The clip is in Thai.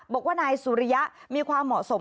บอกว่านายสุริยะมีความเหมาะสม